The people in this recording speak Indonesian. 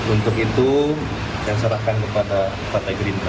untuk itu saya serahkan kepada partai gerindra